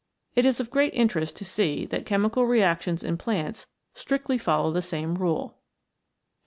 It is of great interest to see that chemical reactions in plants strictly follow the same rule.